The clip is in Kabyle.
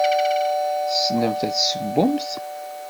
Tessnemt ad tessewwemt?